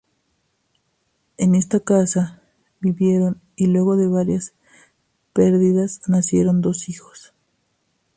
En esta casa vivieron y luego de varias perdidas nacieron dos hijos.